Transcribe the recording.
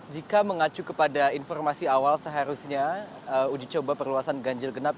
jika mengacu kepada informasi awal seharusnya uji coba perluasan ganjil genap